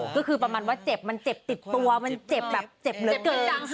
ก็คือประมาณว่าเจ็บมันเจ็บติดตัวมันเจ็บแบบเจ็บเหลือเกินจัง